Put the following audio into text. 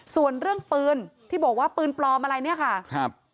ส่วนเรื่องปืนที่บอกว่าปืนปลอมอะไรเนี่ยค่ะครับ